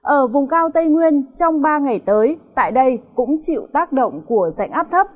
ở vùng cao tây nguyên trong ba ngày tới tại đây cũng chịu tác động của dạnh áp thấp